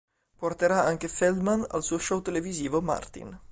Porterà anche Feldman al suo show televisivo "Martin".